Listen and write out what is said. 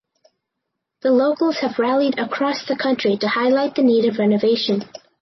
The locals have rallied across the country to highlight the need of renovation.